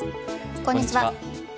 こんにちは。